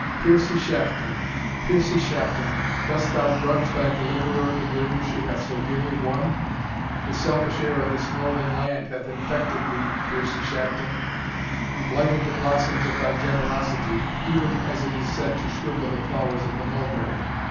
Piercie Shafton! Piercie Shafton! dost thou grudge thy deliverer the guerdon she hath so dearly won? The selfish air of this northern land hath infected thee, Piercie Shafton! and blighted the blossoms of thy generosity, even as it is said to shrivel the flowers of the mulberry.